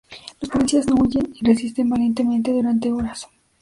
Los policías no huyen y resisten valientemente durante horas.